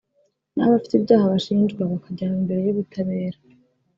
naho abafite ibyaha bashinjwa bakajyanwa imbere y’ubutabera